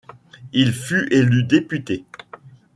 Il fut élu député.